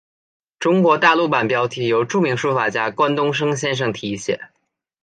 中国大陆版标题由著名书法家关东升先生提写。